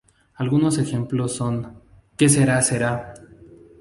Algunos ejemplos son "Que sera sera!